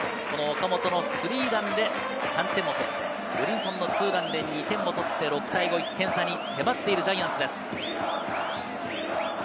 岡本のスリーランで３点を取ってブリンソンのツーランで２点を取って、１点差に迫っているジャイアンツです。